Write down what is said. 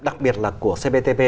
đặc biệt là của cptp